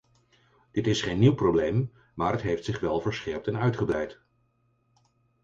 Dit is geen nieuw probleem, maar het heeft zich wel verscherpt en uitgebreid.